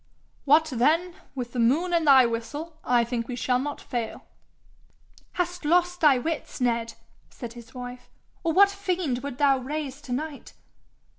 'What then with the moon and thy whistle, I think we shall not fail.' 'Hast lost thy wits, Ned?' said his wife. 'Or what fiend wouldst thou raise to night?'